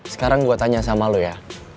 sekarang gue tanya sama lo ya